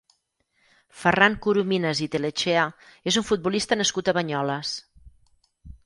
Ferran Corominas i Telechea és un futbolista nascut a Banyoles.